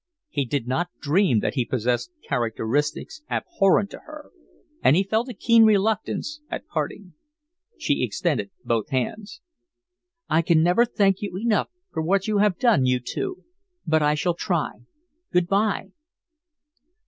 He did not dream that he possessed characteristics abhorrent to her; and he felt a keen reluctance at parting. She extended both hands. "I can never thank you enough for what you have done you two; but I shall try. Good bye!"